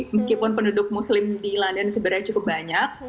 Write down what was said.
meskipun penduduk muslim di london sebenarnya cukup banyak